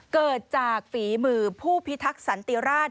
เกิดจากฝีมือผู้พิทักษ์สันติราช